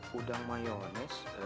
putri mau ngenalin sama temen putri